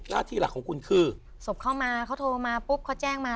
หน้าที่หลักของคุณคือศพเข้ามาเขาโทรมาปุ๊บเขาแจ้งมา